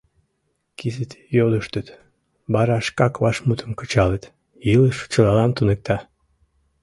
Кызыт йодыштыт, вара шкак вашмутым кычалыт — илыш чылалан туныкта.